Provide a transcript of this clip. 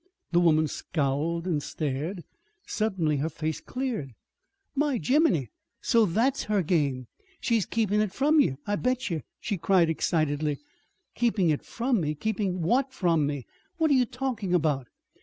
The woman scowled and stared. Suddenly her face cleared. "My Jiminy! so that's her game! She's keepin' it from ye, I bet ye," she cried excitedly. "Keeping it from me! Keeping what from me? What are you talking about?"